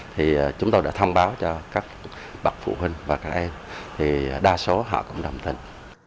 thì chúng tôi đã thông báo cho các bậc phụ huynh và các em thì đa số họ cũng đồng tình